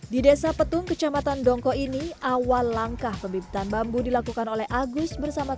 di desa petung kecamatan dongko ini awal langkah pembibitan bambu dilakukan oleh agus bersama teman teman